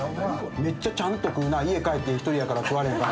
めっちゃちゃんと食うな、家帰って１人やから食われへんから。